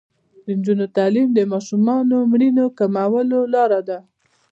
د نجونو تعلیم د ماشومانو مړینې کمولو لاره ده.